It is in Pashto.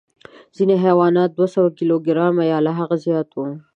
ځینې حیوانات دوه سوه کیلو ګرامه یا له هغه زیات وو.